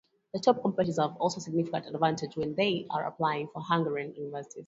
The top competitors have a significant advantage when they are applying for Hungarian universities.